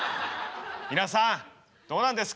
皆さんどうなんですか